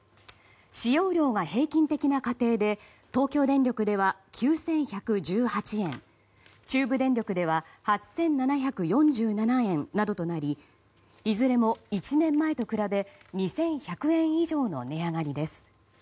使用量が平均的な家庭で東京電力では９１１８円中部電力では８７４７円などとなりいずれも１年前と比べ２１００円以上の値上がりです。